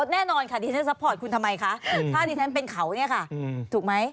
แน่นอนค่ะดิฉันซัพพอร์ตคุณทำไมคะถ้าดิฉันเป็นเขาเนี่ยค่ะถูกไหม